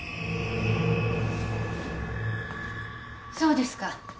そうですか。